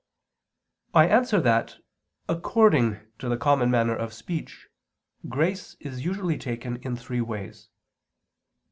I answer that, According to the common manner of speech, grace is usually taken in three ways.